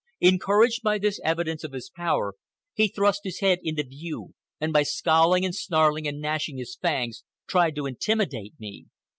Encouraged by this evidence of his power, he thrust his head into view, and by scowling and snarling and gnashing his fangs tried to intimidate me.